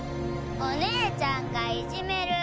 お姉ちゃんがいじめる！